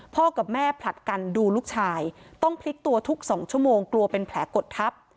กับแม่ผลัดกันดูลูกชายต้องพลิกตัวทุก๒ชั่วโมงกลัวเป็นแผลกดทับ